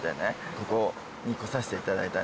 ここに来させていただいたんですよ。